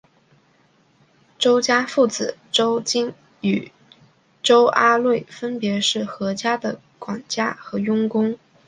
周家父子周金与周阿瑞分别是何家的管家和佣工。